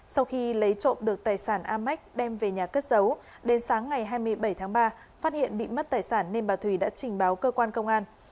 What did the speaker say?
sau khi lấy trộm được tài sản a mác đem về nhà cất giấu đến sáng ngày hai mươi bảy tháng ba phát hiện bị mất tài sản nên bà thủy đã trình báo cơ quan công an